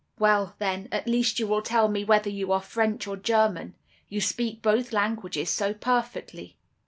"'Well, then, at least you will tell me whether you are French or German; you speak both languages so perfectly.